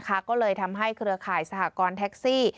ก็เลยทำให้เครือข่ายสหกรณ์แท็กซี่